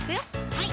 はい